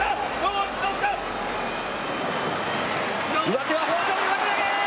上手は、豊昇龍、上手投げ。